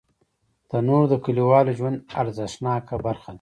تنور د کلیوالو ژوند ارزښتناکه برخه ده